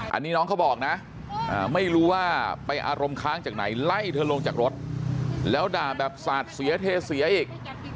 อันนี้น้องเขาบอกนะไม่รู้ว่าไปอารมณ์ค้างจากไหนไล่เธอลงจากรถแล้วด่าแบบสาดเสียเทเสียอีก